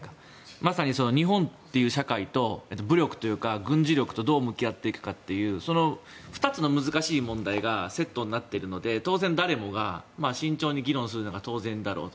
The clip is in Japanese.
まさに日本という社会と武力というか、軍事力とどう向き合っていくかというその２つの難しい問題がセットになっているので当然、誰もが慎重に議論するのが当然だろうと。